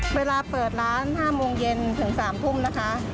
เวลาเปิดร้าน๕โมงเย็นถึง๓ทุ่มนะคะ